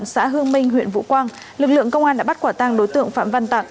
xã hương minh huyện vũ quang lực lượng công an đã bắt quả tàng đối tượng phạm văn tặng